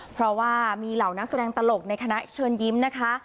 เพราะว่ามีเหล่านักแสดงตลกในคณะเชิญยิ้มนะคะ